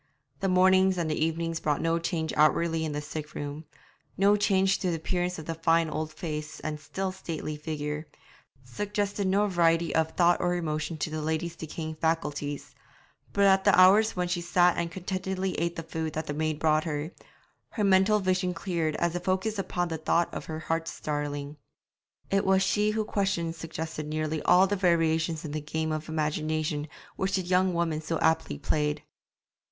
The mornings and the evenings brought no change outwardly in the sick room, no change to the appearance of the fine old face and still stately figure, suggested no variety of thought or emotion to the lady's decaying faculties; but at the hours when she sat and contentedly ate the food that the maid brought her, her mental vision cleared as it focused upon the thought of her heart's darling. It was she whose questions suggested nearly all the variations in the game of imagination which the young woman so aptly played.